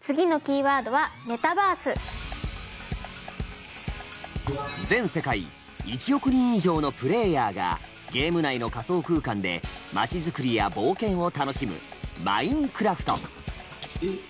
次のキーワードは全世界１億人以上のプレーヤーがゲーム内の仮想空間で街づくりや冒険を楽しむ「マインクラフト」。